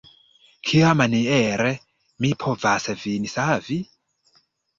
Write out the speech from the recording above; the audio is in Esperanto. Kiamaniere mi povas vin savi?